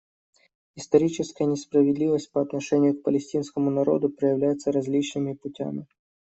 Историческая несправедливость по отношению к палестинскому народу проявляется различными путями.